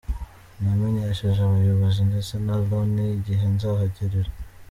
Namenyesheje abayobozi ndetse na Loni igihe nzahagerera.”